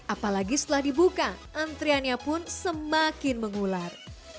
apalagi setelah dibuka antriannya pun semakin mengular